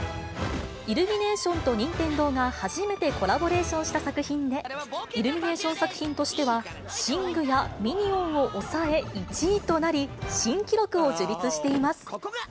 イルミネーションと任天堂が初めてコラボレーションした作品で、イルミネーション作品としては、シングやミニオンを抑え、１位となり、新記録を樹立しています。